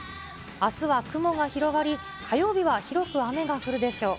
あすは雲が広がり、火曜日は広く雨が降るでしょう。